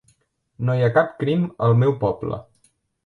No hi ha cap crim al meu poble.